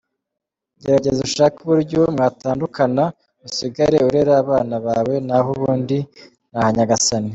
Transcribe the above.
Gerageza ushake uburyo mwatandukana usigare urera abana bawe naho ubundi ni aha Nyagasani.